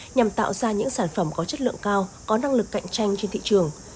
nhằm tạo ra những sản phẩm có chất lượng cao có năng lực cạnh tranh trên thị trường